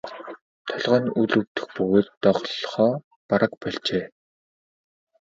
Толгой нь үл өвдөх бөгөөд доголохоо бараг больжээ.